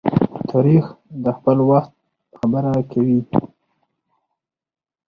تاریخ د خپل وخت خبره کوي.